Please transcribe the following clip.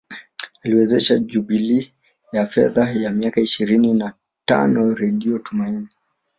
Aliwezesha jubilei ya fedha ya miaka ishirini na tano redio Tumaini